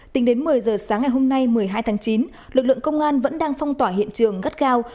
tính đến một mươi giờ sáng ngày hôm nay một mươi hai tháng chín lực lượng công an vẫn đang phong tỏa hiện trường gắt gao